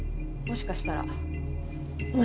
もしかしたら？